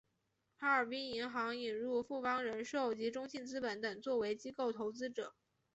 哈尔滨银行引入富邦人寿及中信资本等作为机构投资者。